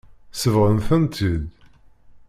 Sebɣent-tent-id.